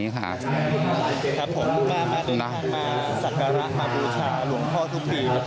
ผมมาสัฬกรัฐบูษาภาพหลวงพ่อทุกปี